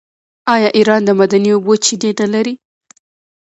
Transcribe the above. آیا ایران د معدني اوبو چینې نلري؟